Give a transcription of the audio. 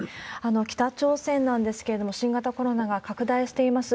北朝鮮なんですけれども、新型コロナが拡大しています。